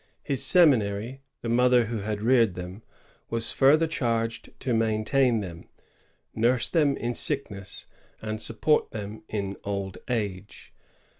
His seminary, the mother who had reared them, was further charged to maintain them, nurse them in sickness, and support them in old age.